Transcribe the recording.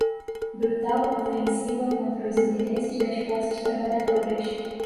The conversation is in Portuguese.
brutal ofensiva contra os interesses das classes trabalhadoras